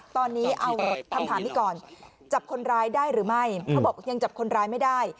ตอนนี้เอาคำถามนี้ก่อนจับคนร้ายได้หรือไม่เขาบอกยังจับคนร้ายไม่ได้